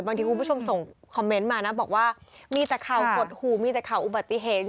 คุณผู้ชมส่งคอมเมนต์มานะบอกว่ามีแต่ข่าวหดหูมีแต่ข่าวอุบัติเหตุ